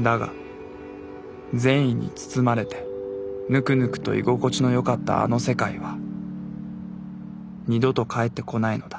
だが善意に包まれてぬくぬくと居心地のよかったあの世界は二度と帰ってこないのだ